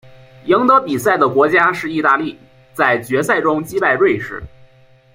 赢得比赛的国家是意大利在决赛中击败瑞士。